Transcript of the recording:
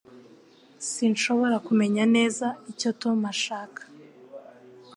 Sinshobora kumenya neza icyo Tom ashaka